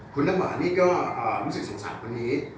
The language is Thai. คุณน้ำหวานนี่ก็รู้สึกสงสารคนนี้